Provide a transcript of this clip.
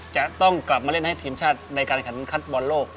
จะต้องกลับมาเล่นให้ทีมชาติในการขันคัดบอลโลก